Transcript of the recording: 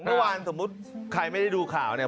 เมื่อวานสมมุติใครไม่ได้ดูข่าวเนี่ย